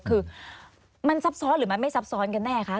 คือมันซับซ้อนหรือมันไม่ซับซ้อนกันแน่คะ